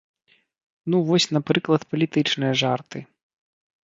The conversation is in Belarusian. Ну, вось напрыклад палітычныя жарты.